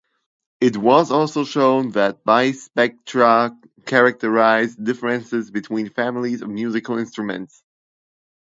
It was also shown that bispectra characterize differences between families of musical instruments.